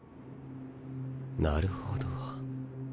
なるほど。